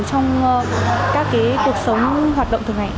trong các cuộc sống hoạt động thực hành